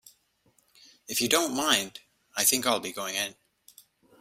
If you don't mind, I think I'll be going in.